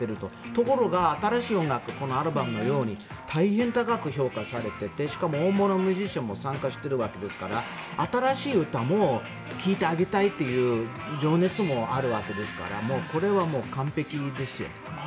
ところが、新しい音楽このアルバムのように大変高く評価されていてしかも大物ミュージシャンも参加しているわけですから新しい歌も聴いてあげたいという情熱もあるわけですからこれは完璧ですよ。